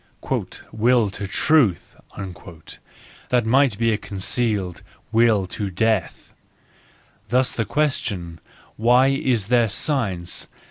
... "Will to Truth," —that might be a concealed Will to Death.—Thus the question, Why is there science?